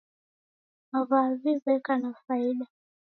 W'avi w'eka na faida